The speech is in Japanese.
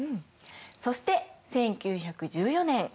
そして１９１４年。